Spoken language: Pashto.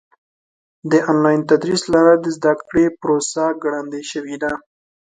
د آنلاین تدریس له لارې د زده کړې پروسه ګړندۍ شوې ده.